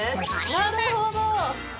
なるほど。